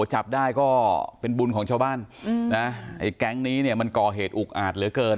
จับได้ก็เป็นบุญของชาวบ้านนะไอ้แก๊งนี้เนี่ยมันก่อเหตุอุกอาจเหลือเกิน